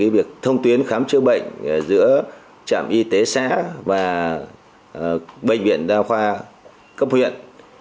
việc thông tuyến khám chữa bệnh giữa trạm y tế xã và bệnh viện đa khoa cấp huyện